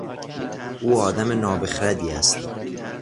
او آدم نابخردی است.